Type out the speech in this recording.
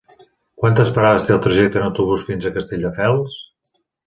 Quantes parades té el trajecte en autobús fins a Castelldefels?